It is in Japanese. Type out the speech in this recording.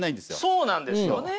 そうなんですよね。